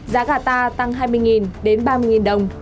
giá gà ta tăng hai mươi đến ba mươi đồng